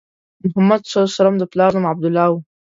محمد صلی الله علیه وسلم د پلار نوم عبدالله و.